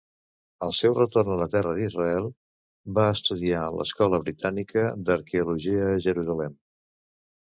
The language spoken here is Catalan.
Al seu retorn a la Terra d'Israel, va estudiar en l'Escola Britànica d'Arqueologia a Jerusalem.